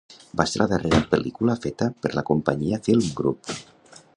Va ser la darrera pel·lícula feta per la companyia Filmgroup.